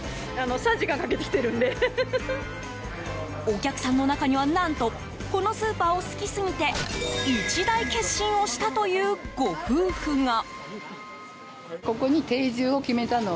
お客さんの中には何とこのスーパーを好きすぎて一大決心をしたというご夫婦が。